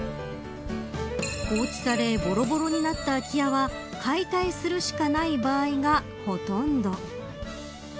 放置されボロボロになった空き家は解体するしかない場合がほとんど。